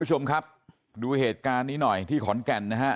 คุณผู้ชมครับดูเหตุการณ์นี้หน่อยที่ขอนแก่นนะฮะ